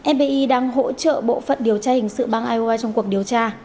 fbi đang hỗ trợ bộ phận điều tra hình sự bang ioa trong cuộc điều tra